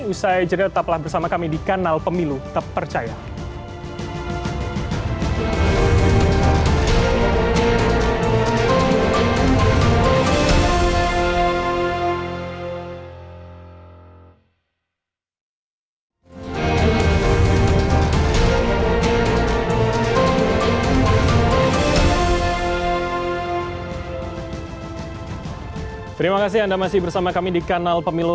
usai jerih tetaplah bersama kami di kanal pemilu